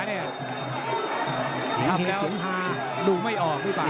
มาแล้วดูไม่ออกดิบ้าง